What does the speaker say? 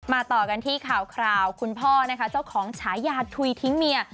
ต่อกันที่ข่าวคราวคุณพ่อนะคะเจ้าของฉายาทุยทิ้งเมีย